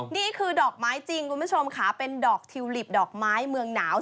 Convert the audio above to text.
นี่คือดอกไม้จริงคุณผู้ชมค่ะเป็นดอกทิวลิปดอกไม้เมืองหนาว